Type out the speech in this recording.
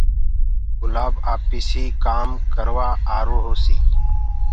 گُلآب آپيسي ڪآم ڪروآ آرو هوسي